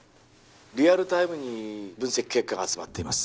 リアルタイムに分析結果が集まっています